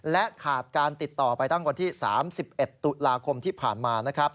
และขาดการติดต่อไปตั้งวันที่๓๑ตุลาคมที่ผ่านมานะครับ